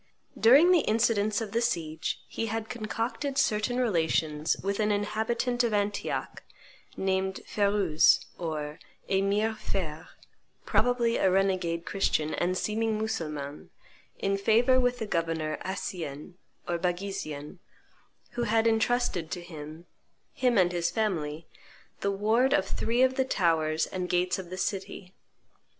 During the incidents of the siege he had concocted certain relations with an inhabitant of Antioch, named Ferouz or Emir Feir, probably a renegade Christian and seeming Mussulman, in favor with the Governor Accien or Baghisian, who had intrusted to him, him and his family, the ward of three of the towers and gates of the city.